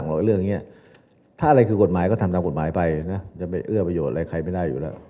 กสชได้รายงานท่านหรือยังคะ